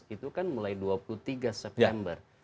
itu kan mulai dua puluh tiga september